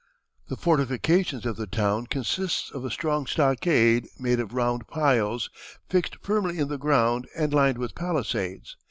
The fortifications of the town consist of a strong stockade, made of round piles, fixed firmly in the ground, and lined with palisades.